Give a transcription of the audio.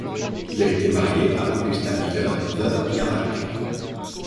Il a été marié à Augusta Hiller veuve Yarak.